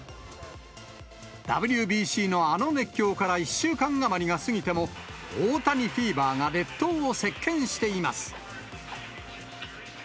ＷＢＣのあの熱狂から１週間余りが過ぎても、大谷フィーバーが列島を席けんしています。